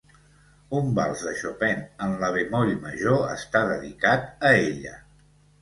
Un vals de Chopin en la bemoll major està dedicat a ella.